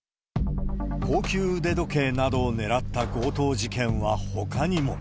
高級腕時計などを狙った強盗事件はほかにも。